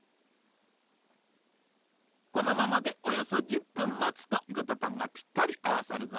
このままでおよそ１０ぷんまつとぐとパンがぴったりあわさるぞ。